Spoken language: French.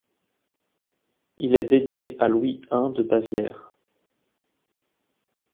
Il est dédié à Louis I de Bavière.